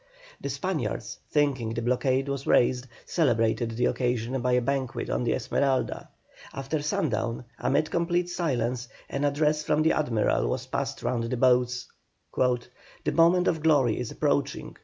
The Spaniards, thinking the blockade was raised, celebrated the occasion by a banquet on the Esmeralda. After sundown, amid complete silence, an address from the Admiral was passed round the boats: "The moment of glory is approaching.